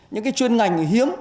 những chuyên ngành hiếm